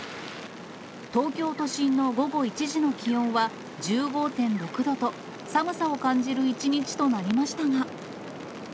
東京都心の午後１時の気温は１５．６度と、寒さを感じる１日となりましたが。